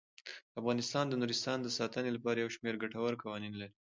افغانستان د نورستان د ساتنې لپاره یو شمیر ګټور قوانین لري.